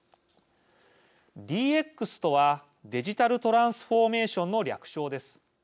ＤＸとはデジタルトランスフォーメーションの略称です。